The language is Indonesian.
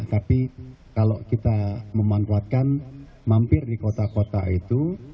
tapi kalau kita memanfaatkan mampir di kota kota itu